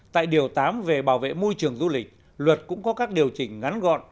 tại điều tám về bảo vệ môi trường du lịch luật cũng có các điều chỉnh ngắn gọn